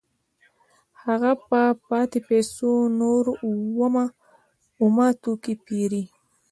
هغه په پاتې پیسو نور اومه توکي پېري